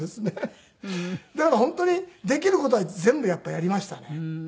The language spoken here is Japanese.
だから本当にできる事は全部やっぱりやりましたね。